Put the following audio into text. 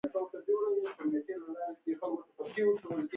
د کائناتو پراختیا لامل لوی چاودنه وه.